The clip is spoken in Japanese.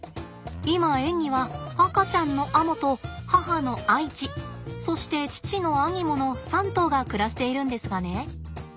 今園には赤ちゃんのアモと母のアイチそして父のアニモの３頭が暮らしているんですがね